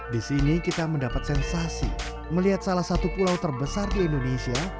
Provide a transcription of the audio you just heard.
di sini kita mendapat sensasi melihat salah satu pulau terbesar di indonesia